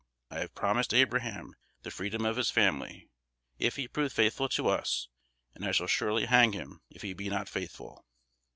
I have promised Abraham the freedom of his family, if he prove faithful to us; and I shall surely hang him if he be not faithful."